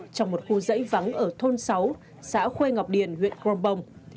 trong một khu dãy vắng ở thôn sáu xã khuê ngọc điền huyện crong bông